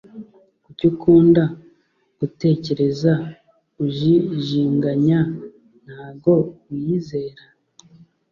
Kuki ukunda gutekereza ujijinganya ntago wiyizera